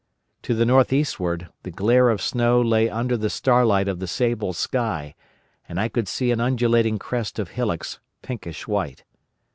To the north eastward, the glare of snow lay under the starlight of the sable sky, and I could see an undulating crest of hillocks pinkish white.